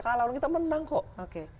kalah orang kita menang kok oke